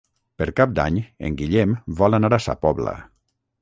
Per Cap d'Any en Guillem vol anar a Sa Pobla.